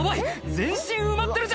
全身埋まってるじゃん！」